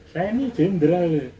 saya ini jenderal